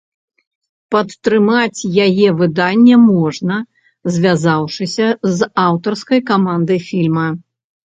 Падтрымаць яе выданне можна, звязаўшыся з аўтарскай камандай фільма.